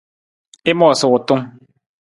I moosa wutung.